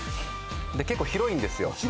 結構広いんですよ。